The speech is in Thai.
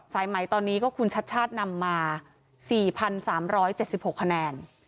สายไหมตอนนี้ก็คุณชัดชาตินำมา๔๓๗๖คะแนน